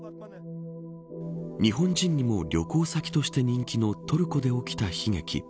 日本人にも旅行先として人気のトルコで起きた悲劇。